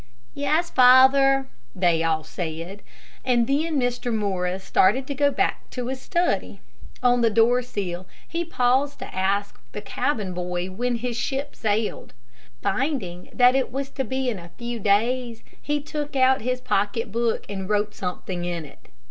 "Yes, father," they all said; and then Mr. Morris started to go back to his study. On the doorsill he paused to ask the cabin boy when his ship sailed. Finding that it was to be in a few days, he took out his pocket book and wrote something in it.